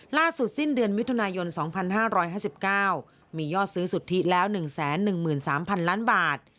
สิ้นเดือนมิถุนายน๒๕๕๙มียอดซื้อสุทธิแล้ว๑๑๓๐๐๐ล้านบาท